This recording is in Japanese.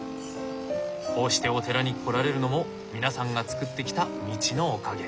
こうしてお寺に来られるのも皆さんが作ってきた道のおかげ。